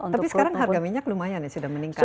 tapi sekarang harga minyak lumayan ya sudah meningkat